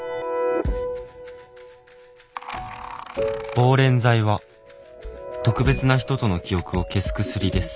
「忘恋剤は特別な人との記憶を消す薬です。